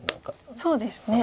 そうですね。